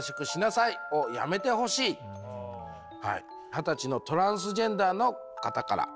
二十歳のトランスジェンダーの方から。